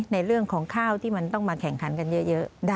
ในเรื่องของข้าวที่มันต้องมาแข่งขันกันเยอะ